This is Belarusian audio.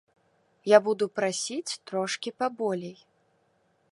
Я буду прасіць трошкі паболей.